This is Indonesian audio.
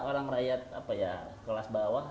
orang rakyat kelas bawah